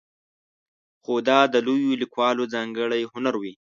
خو دا د لویو لیکوالو ځانګړی هنر وي.